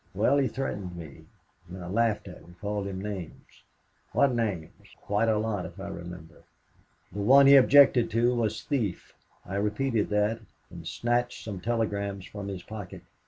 "Well, he threatened me. And I laughed at him called him names." "What names?" "Quite a lot, if I remember. The one he objected to was thief... I repeated that, and snatched some telegrams from his pocket.